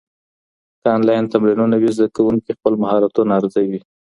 که انلاین تمرینونه وي، زده کوونکي خپل مهارتونه ارزوي.